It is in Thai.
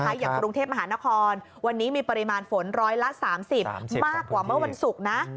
อย่างกรุงเทพมหานครวันนี้มีปริมาณฝนร้อยละ๓๐มากกว่าเมื่อวันศุกร์นะ